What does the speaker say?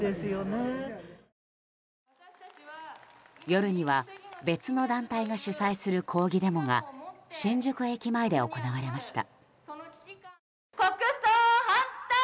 夜には別の団体が主催する抗議デモが新宿駅前で行われました。